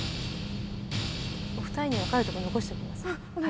お二人に分かるとこ残しておきます。